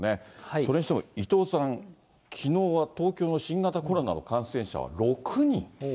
それにしても伊藤さん、きのうは東京の新型コロナの感染者は６人。